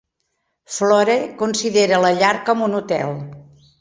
Flore considera la llar com un hotel.